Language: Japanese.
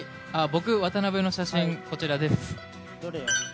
僕、渡辺の写真、こちらです。